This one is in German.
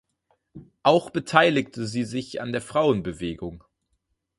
Auch beteiligte sie sich an der Frauenbewegung.